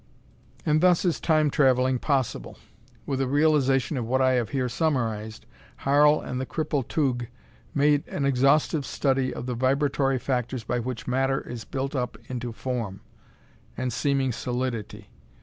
And thus is Time traveling possible. With a realization of what I have here summarized, Harl and the cripple Tugh made an exhaustive study of the vibratory factors by which Matter is built up into form, and seeming solidity.